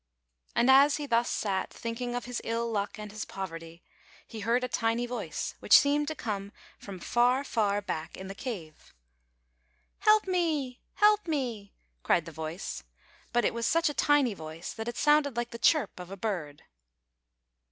And as he thus sat, thinking of his ill luck and his poverty, he heard a tiny voice which seemed to come from far, far back in the cave. " Help me! Help me! " cried the voice; but it was such a tiny voice that it sounded like the chirp of a bird.